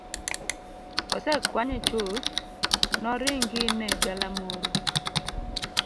Osekwanye chuth noringi ne galamoro